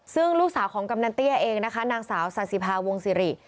ซึ่งลูกสาวของกำนันเตี้ยเองนะคะนางสาวสาธิภาวงศิริ